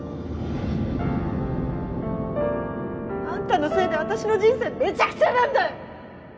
あんたのせいで私の人生めちゃくちゃなんだよ！